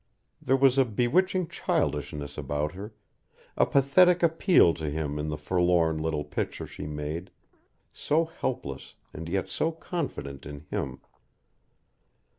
There was a bewitching childishness about her, a pathetic appeal to him in the forlorn little picture she made so helpless, and yet so confident in him.